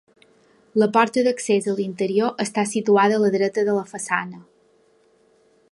La porta d'accés a l'interior està situada a la dreta de la façana.